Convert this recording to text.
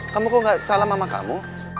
kamu kok gak salam sama kamu